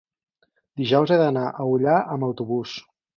dijous he d'anar a Ullà amb autobús.